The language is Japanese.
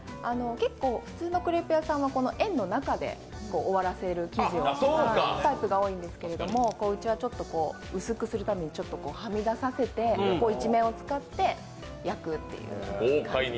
結構普通のクレープ屋さんは円の中で終わらせるタイプが多いんですけどうちはちょっと薄くするためにはみ出させて一面を使って焼くという。